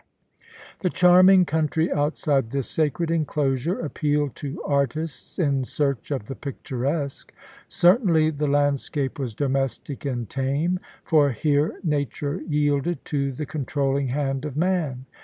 The charming country outside this sacred enclosure appealed to artists in search of the picturesque. Certainly, the landscape was domestic and tame, for here nature yielded to the controlling hand of man.